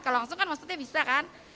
kalau langsung kan maksudnya bisa kan